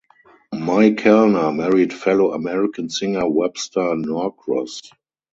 Mai Kalna married fellow American singer Webster Norcross.